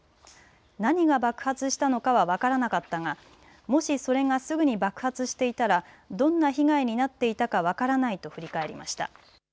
何が爆発したのかは分からなかったがもしそれがすぐに爆発していたらどんな被害になっていたか分からないと振り返りました。